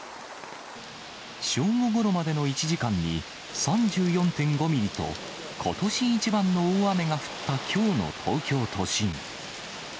正午ごろまでの１時間に、３４．５ミリと、ことし一番の大雨が降ったきょうの東京都心。